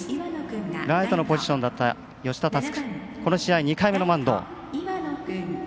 ライトのポジションからこの試合、２回目のマウンド。